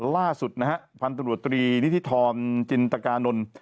ล่าสุดภัณฑ์ตรวจตรีนิทธิธรรมจินตกานนท์